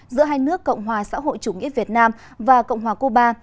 giữa hai nước cộng hòa xã hội chủ nghĩa việt nam và cộng hòa cuba